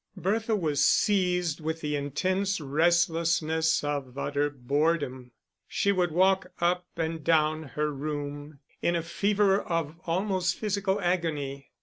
Bertha was seized with the intense restlessness of utter boredom. She would walk up and down her room in a fever of almost physical agony.